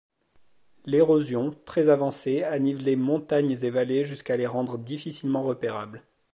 L'érosion, très avancée, a nivelé montagnes et vallées jusqu'à les rendre difficilement repérables.